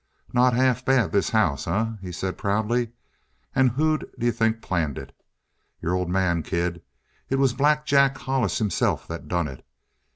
"Not half bad this house, eh?" he said proudly. "And who d'you think planned it? Your old man, kid. It was Black Jack Hollis himself that done it!